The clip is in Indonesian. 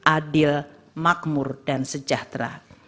adil makmur dan sejahtera